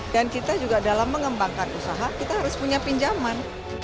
dan kita juga dalam mengembangkan usaha kita harus punya pinjaman